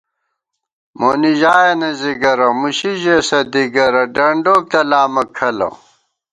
مونی ژایَنہ ځِگَرَہ ، مُشی ژېسہ دِگَرَہ ، ڈنڈوک تلامہ کھلہ